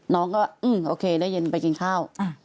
น้องก็อืมโอเคเดือดเย็นไปกินข้าว